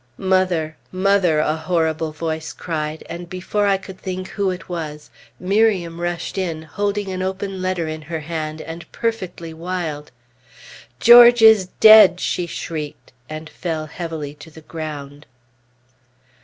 "Mother! Mother!" a horrible voice cried, and before I could think who it was, Miriam rushed in, holding an open letter in her hand, and perfectly wild. "George is dead!" she shrieked, and fell heavily to the ground.